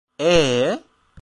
Eee?